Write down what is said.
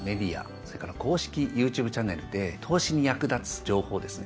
それから公式ＹｏｕＴｕｂｅチャンネルで投資に役立つ情報をですね